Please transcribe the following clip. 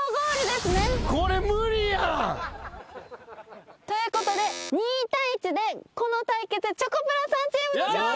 これ無理やん！ということで２対１でこの対決チョコプラさんチームの勝利です！